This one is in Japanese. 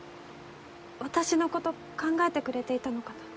私のこと考えてくれていたのかと。